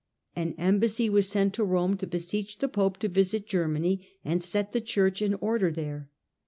An embassy was sent to Rome, to beseech the pope to visit Germany and set the Church in order there.